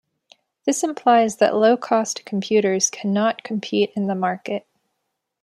This implies that low-cost computers cannot compete in the market.